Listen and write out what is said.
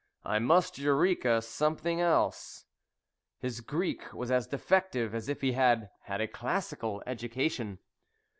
"I must 'Eureka' something else." His Greek was as defective as if he had had a classical education.